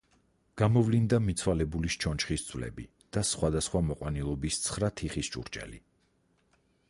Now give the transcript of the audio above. გამოვლინდა მიცვალებულის ჩონჩხის ძვლები და სხვადასხვა მოყვანილობის ცხრა თიხის ჭურჭელი.